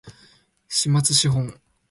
期末資本